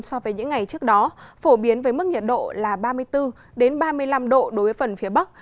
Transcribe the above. so với những ngày trước đó phổ biến với mức nhiệt độ là ba mươi bốn ba mươi năm độ đối với phần phía bắc